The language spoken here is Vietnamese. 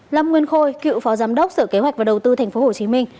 lâm nguyên khôi cựu phó giám đốc sở kế hoạch và đầu tư tp hcm